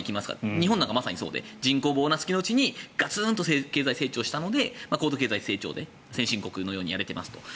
日本なんかまさにそうで人口ボーナス期のうちにガツンと経済成長したので高度経済成長で先進国のようにやれていますと。